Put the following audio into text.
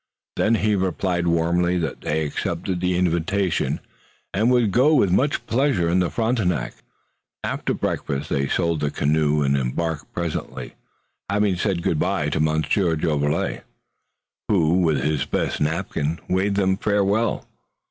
Then he replied warmly that they accepted the invitation and would go with much pleasure in the Frontenac. After breakfast they sold the canoe and embarked presently, having first said goodby to Monsieur Jolivet, who with his best napkin, waved them farewell.